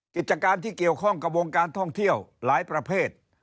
กิจการที่เกี่ยวข้องกับวงการท่องเที่ยวหลายประเภท